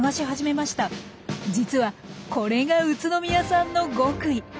実はこれが宇都宮さんの極意。